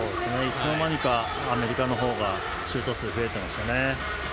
いつのまにかアメリカのほうがシュート数が増えていましたね。